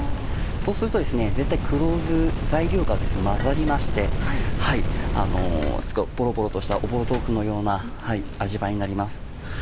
そうすると全体黒酢材料が混ざりましてポロポロとしたおぼろ豆腐のような味わいになります。